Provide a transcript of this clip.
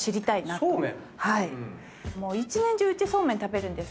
一年中うちそうめん食べるんです。